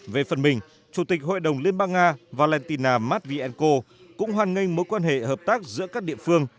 về phần mình chủ tịch hội đồng liên bang nga valentina matvienko cũng hoan nghênh mối quan hệ hợp tác giữa các địa phương